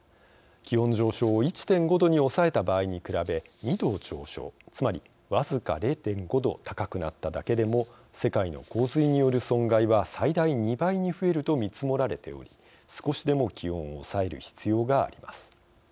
気温上昇を１．５℃に抑えた場合に比べ２℃上昇、つまり僅か０．５℃高くなっただけでも世界の洪水による損害は最大２倍に増えると見積もられており、少しでも気温を抑える必要があります。